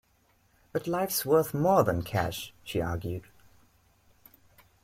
But life's worth more than cash, she argued.